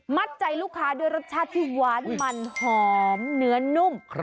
ใจลูกค้าด้วยรสชาติที่หวานมันหอมเนื้อนุ่ม